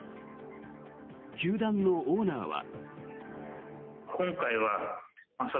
球団のオーナーは。